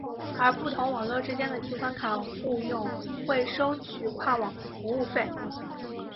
而不同网络之间的提款卡互用会收取跨网服务费。